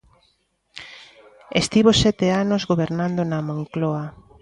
Estivo sete anos gobernando na Moncloa.